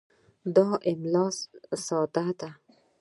دا املا ساده ده.